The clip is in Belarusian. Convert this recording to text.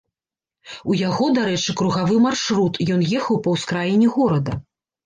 У яго, дарэчы, кругавы маршрут, ён ехаў па ўскраіне горада.